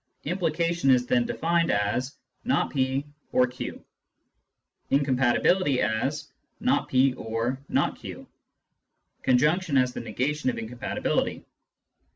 Implication is then defined as " not p or q "; incompatibility as " not p or not j "; conjunction as the negation of incompati bility.